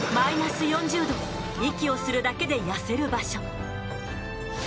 息をするだけで痩せる場所。